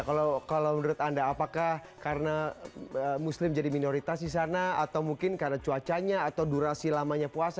kalau menurut anda apakah karena muslim jadi minoritas di sana atau mungkin karena cuacanya atau durasi lamanya puasa